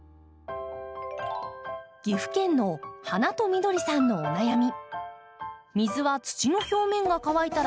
岐阜県のはなとみどりさんのお悩み。